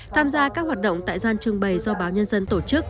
tham gia các hoạt động tại gian trưng bày do báo nhân dân tổ chức